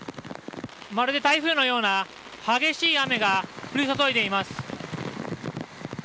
まるで台風のような激しい雨が降り注いでいます。